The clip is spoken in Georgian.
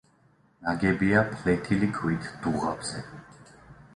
ნაგებია ფლეთილი ქვით დუღაბზე.